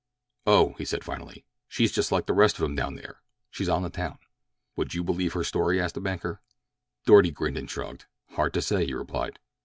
"Oh," he said finally, "she's just like the rest of 'em down there—she's on the town." "Would you believe her story?" asked the banker. Doarty grinned and shrugged. "Hard to say," he replied.